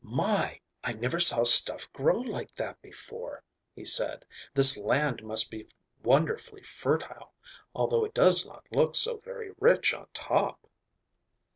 "My, I never saw stuff grow like that before," he said. "This land must be wonderfully fertile, although it does not look so very rich on top."